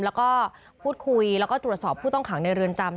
แล้วก็พูดคุยแล้วก็ตรวจสอบผู้ต้องขังในเรือนจำ